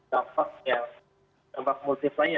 ya tentu kita berharap bahwa mudik ini membawa